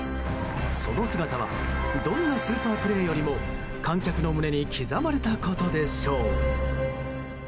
その姿はどんなスーパープレーよりも観客の胸に刻まれたことでしょう。